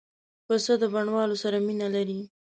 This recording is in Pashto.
پسه د بڼوالو سره مینه لري.